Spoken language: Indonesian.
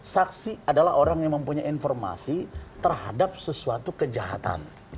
saksi adalah orang yang mempunyai informasi terhadap sesuatu kejahatan